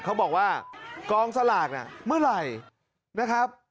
เขาบอกว่ากองสลากเนี่ยเมื่อไหร่นะครับ